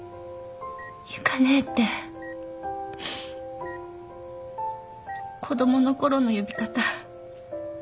由加姉って子供のころの呼び方。